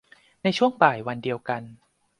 ในช่วงบ่ายวันเดียวกัน